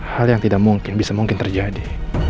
hal yang tidak mungkin bisa mungkin terjadi